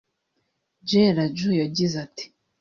J Raju yagize ati